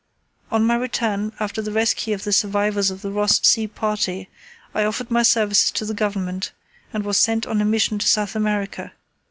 On my return, after the rescue of the survivors of the Ross Sea Party, I offered my services to the Government, and was sent on a mission to South America.